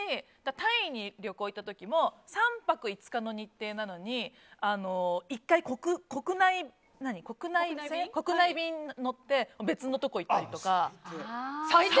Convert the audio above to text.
タイに旅行に行った時も３泊５日の日程なのに１回、国内便に乗って別のところに行ったりとか。